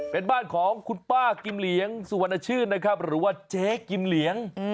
เป็นบ้านของคุณป้ากิมเหลียงสุวรรณชื่นนะครับหรือว่าเจ๊กิมเหลียง